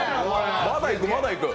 まだいく、まだいく。